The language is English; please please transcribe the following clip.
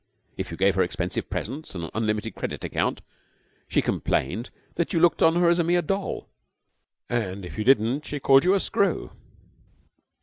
If you gave her expensive presents and an unlimited credit account, she complained that you looked on her as a mere doll; and if you didn't, she called you a screw.